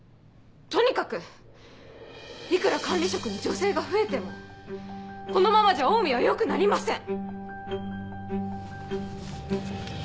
とにかくいくら管理職に女性が増えてもこのままじゃオウミは良くなりません。